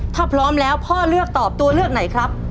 ถ้าพร้อมแล้วพ่อเลือกตอบตัวเลือกไหนครับ